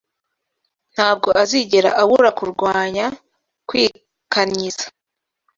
ntabwo azigera abura kurwanya kwikanyiza